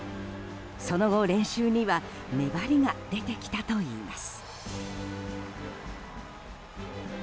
その後、練習には粘りが出てきたといいます。